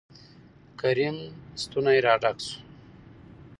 کريم ستونى را ډک شو.